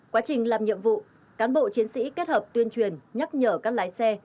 quá trình làm nhiệm vụ cán bộ chiến sĩ kết hợp tuyên truyền nhắc nhở các lái xe